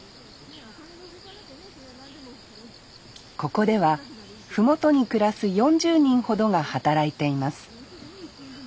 ここでは麓に暮らす４０人ほどが働いています